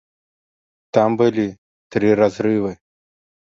Там былі тры разрывы.